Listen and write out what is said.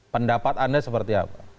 pendapat anda seperti apa